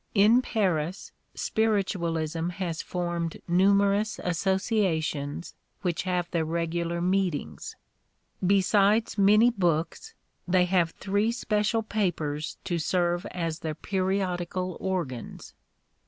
In Paris, Spiritu alism has formed numerous associations, which have their regular meetings. Besides many books, they have three special papers to serve as their periodical organs.